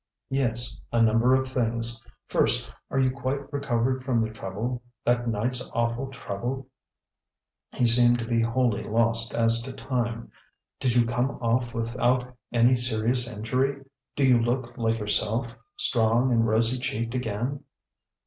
"Yes, a number of things. First, are you quite recovered from the trouble that night's awful trouble?" He seemed to be wholly lost as to time. "Did you come off without any serious injury? Do you look like yourself, strong and rosy cheeked again?"